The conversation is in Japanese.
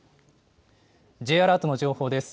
Ｊアラートの情報です。